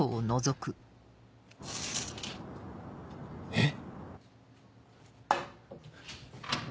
えっ？